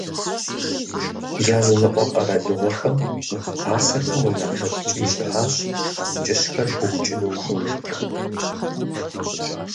Языныкъуэ къэралыгъуэхэм нэхъ пасэхэм унафэ ткӀий щыӀащ амкӀыщхэр букӀыну ухуимыту.